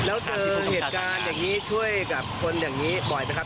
แล้วถ้าเกิดมีเหตุการณ์อย่างนี้ช่วยกับคนอย่างนี้บ่อยไหมครับ